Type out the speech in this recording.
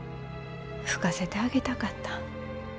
吹かせてあげたかった。